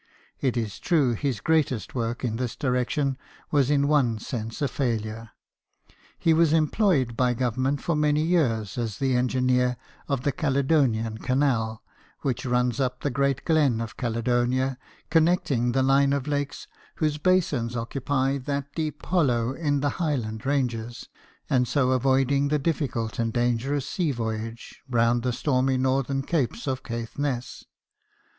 It is true, his greatest work in this direction was in one sense a failure. He was employed by Government for many years as the engineer of the Caledonian Canal, which runs up the Great Glen of Caledonia, connecting the line of lakes whose basins occupy that deep hollow in the Highland ranges, and so avoiding the difficult and dangerous sea voyage round the stormy northern capes of Caithness.